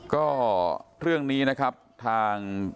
ก็เรื่องนี้นะครับทาง